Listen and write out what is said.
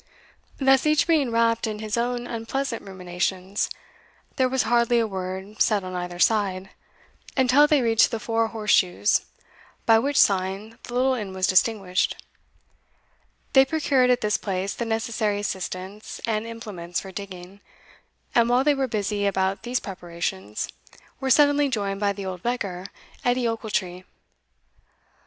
Thus each being wrapped in his own unpleasant ruminations, there was hardly a word said on either side, until they reached the Four Horse shoes, by which sign the little inn was distinguished. They procured at this place the necessary assistance and implements for digging, and, while they were busy about these preparations, were suddenly joined by the old beggar, Edie Ochiltree.